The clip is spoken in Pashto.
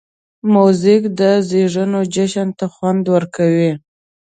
موزیک د زېږون جشن ته خوند ورکوي.